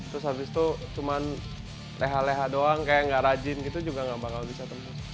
terus abis itu cuman leha leha doang kayak gak rajin gitu juga gak bakal bisa tembus